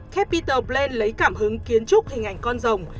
capitol plain lấy cảm hứng kiến trúc hình ảnh con rồng